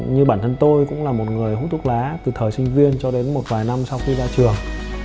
như bản thân tôi cũng là một người hút thuốc lá từ thời sinh viên cho đến một vài năm sau khi ra trường